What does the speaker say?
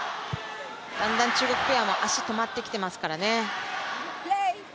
だんだん中国ペアも足が止まってきていますからね。